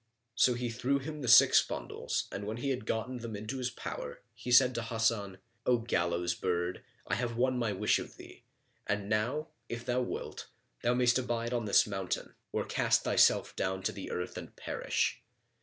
So he threw him the six bundles and when he had gotten them into his power he said to Hasan, "O gallows bird, I have won my wish of thee; and now, if thou wilt, thou mayst abide on this mountain, or cast thyself down to the earth and perish.